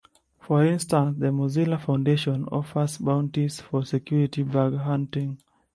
For instance the Mozilla Foundation offers bounties for security bug hunting.